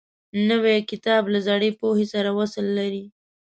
نوی کتاب له زړې پوهې سره وصل لري